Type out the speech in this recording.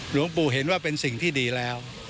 หลวงปู่เห็นว่าเป็นสิ่งที่ดีแล้ว